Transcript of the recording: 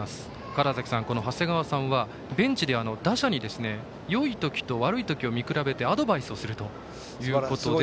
川原崎さん、長谷川さんはベンチで打者によい時と悪い時を見比べてアドバイスをするということで。